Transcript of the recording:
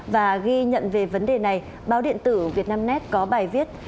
và ghi nhận về vấn đề này báo điện tử việt nam net có bài viết